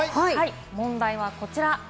問題はこちら。